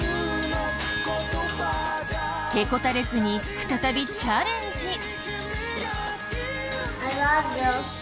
へこたれずに再びチャレンジ。